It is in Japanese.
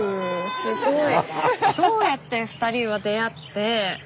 すごい。